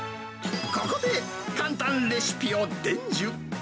ここで、簡単レシピを伝授。